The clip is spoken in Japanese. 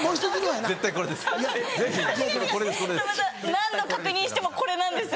何度確認してもこれなんです。